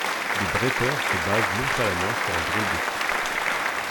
Des bretteurs se basent nonchalamment sur un drôle de type.